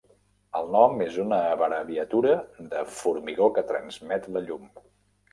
El nom es una abreviatura de "formigó que transmet la llum".